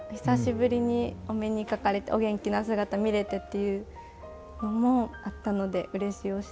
久しぶりにお目にかかれてお元気な姿見れてっていうのもあったのでうれしおした。